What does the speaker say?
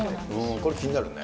これ気になるね。